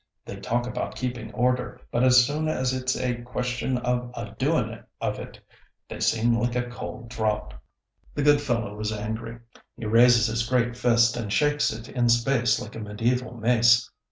They talk about keeping order, but as soon as it's a question of a doing of it, they seem like a cold draught." The good fellow is angry. He raises his great fist and shakes it in space like a medieval mace.